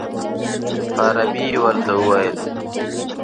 په عربي یې ورته وویل.